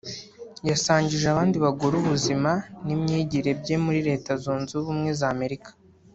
yasangije abandi bagore ubuzima n’ imyigire bye muri Leta Zunze Ubumwe za Amerika